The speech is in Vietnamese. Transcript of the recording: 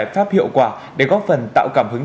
pháp hiệu quả để góp phần tạo cảm hứng